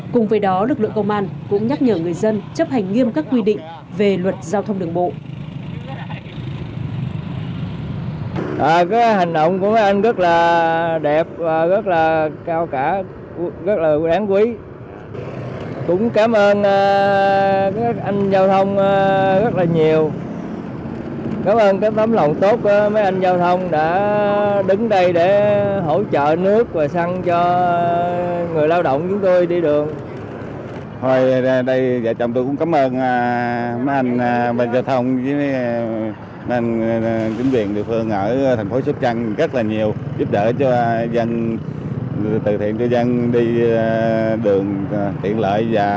cùng với đó lực lượng công an cũng nhắc nhở người dân chấp hành nghiêm các quy định về luật giao thông đường bộ